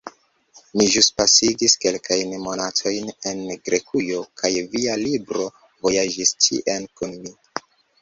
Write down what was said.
Mi ĵus pasigis kelkajn monatojn en Grekujo, kaj via libro vojaĝis ĉien kun mi.